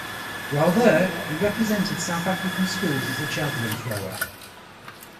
While there, he represented South African Schools as a javelin thrower.